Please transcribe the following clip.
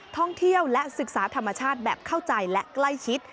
ท่องเที่ยวและศึกษาธรรมชาติแบบเข้าใจและใกล้ชิด